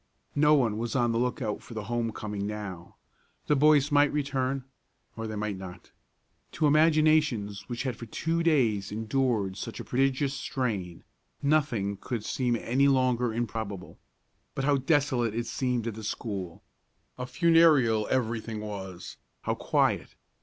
No one was on the lookout for the home coming now. The boys might return, or they might not. To imaginations which had for two days endured such a prodigious strain, nothing could seem any longer improbable. But how desolate it seemed at the school! How funereal everything was, how quiet!